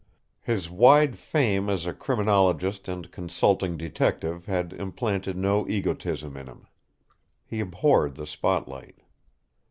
His wide fame as a criminologist and consulting detective had implanted no egotism in him. He abhorred the spotlight.